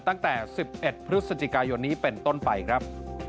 ตั้งแต่๑๑พฤศจิกายนนี้เป็นต้นไปครับ